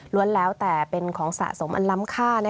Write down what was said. แล้วแต่เป็นของสะสมอันล้ำค่า